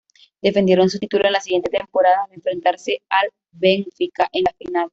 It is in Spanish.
Defendieron su título en la siguiente temporada al enfrentarse al Benfica en la Final.